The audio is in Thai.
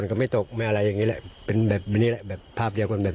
ครับจะมาหยอกหรือเปล่านี่แหละครับ